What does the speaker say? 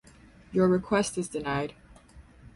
Your request is denied.